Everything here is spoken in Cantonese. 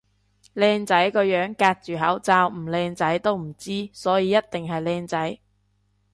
靚仔個樣隔住口罩唔靚仔都唔知，所以一定係靚仔